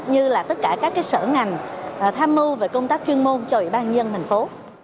như là tất cả các sở ngành tham mưu về công tác chuyên môn cho ủy ban nhân thành phố